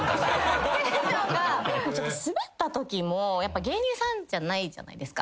スベったときもやっぱ芸人さんじゃないじゃないですか。